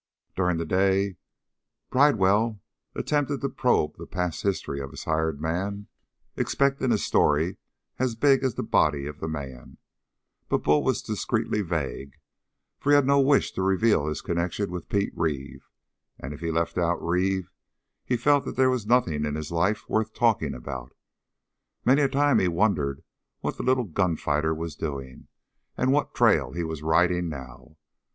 During the day Bridewell attempted to probe the past history of his hired man, expecting a story as big as the body of the man, but Bull was discreetly vague, for he had no wish to reveal his connection with Pete Reeve; and if he left out Reeve, he felt that there was nothing in his life worth talking about. Many a time he wondered what the little gunfighter was doing, and what trail he was riding now.